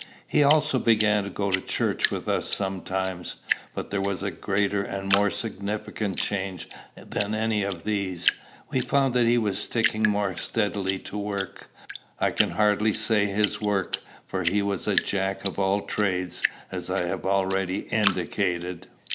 He also began to go to church with us sometimes. But there was a greater and more significant change than any of these. We found that he was sticking more steadily to work. I can hardly say his work; for he was Jack of all trades, as I have already indicated.